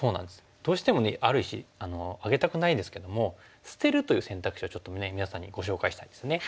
どうしてもある石あげたくないですけども捨てるという選択肢をちょっと皆さんにご紹介したいんですね。